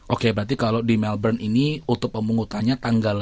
oke berarti kalau di melbourne ini untuk pemungutannya tanggal delapan